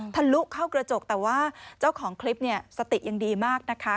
ทะลุเข้ากระจกแต่ว่าเจ้าของคลิปเนี่ยสติยังดีมากนะคะ